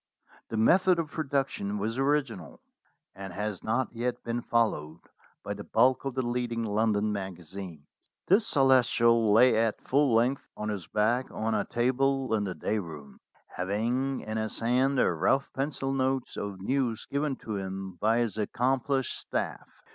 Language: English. The method of production was original, and has not yet been followed by the bulk of the leading London magazines. The Celestial lay at full length on his back on a table in the day room, having in his hand the rough pencil notes of news given to him by his accomplished staff.